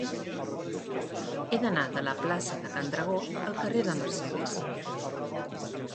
He d'anar de la plaça de Can Dragó al carrer de Mercedes.